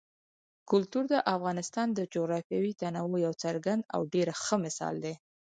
کلتور د افغانستان د جغرافیوي تنوع یو څرګند او ډېر ښه مثال دی.